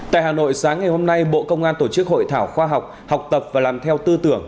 tại hà nội sáng ngày hôm nay bộ công an tổ chức hội thảo khoa học học tập và làm theo tư tưởng